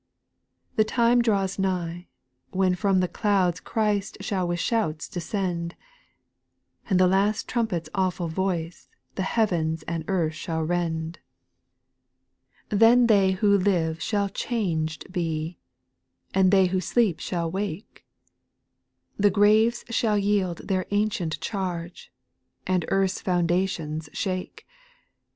4. The time draws nigh, when from the clouds Christ shall with shouts descend ; And the last trumpet's awful voice The heavens and eattli &\vb\\ t^tA. 130 SPIRITUAL SONGS. 6. Then they who live shall changed be, And they who sleep shall wake ; The graves shall yield their ancient charge, And earth's foundations shake.